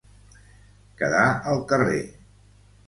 Quedar al carrer.